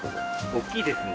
大きいですね。